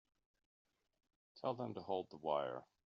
Tell them to hold the wire.